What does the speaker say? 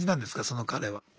その彼は。